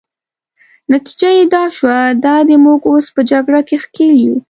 نتیجه يې دا شوه، دا دی موږ اوس په جګړه کې ښکېل یو.